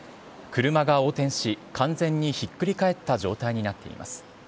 車が横転し、完全にひっくり返った状態になっています。